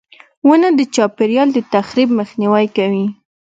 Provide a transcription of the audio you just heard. • ونه د چاپېریال د تخریب مخنیوی کوي.